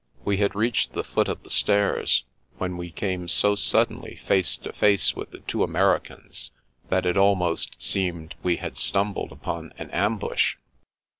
We had reached the foot of the stairs, when we came so suddenly face to face with the two Americans that it almost seemed we had stumbled upon an ambush.